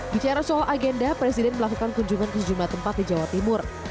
bicara soal agenda presiden melakukan kunjungan ke sejumlah tempat di jawa timur